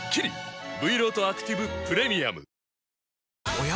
おや？